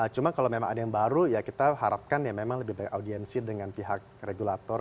cuma kalau memang ada yang baru ya kita harapkan ya memang lebih banyak audiensi dengan pihak regulator